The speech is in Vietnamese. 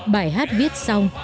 bài hát viết xong